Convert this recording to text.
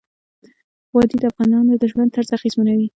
وادي د افغانانو د ژوند طرز اغېزمنوي.